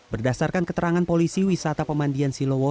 berdasarkan keterangan polisi wisata pemandian silowo